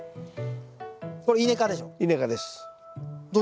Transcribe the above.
これイネ科でしょ？